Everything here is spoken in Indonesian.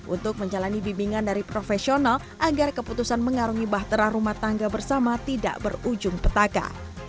untuk menjalani bimbingan dari profesional agar keputusan mengarungi bahtera rumah tangga bersama tidak berujung petaka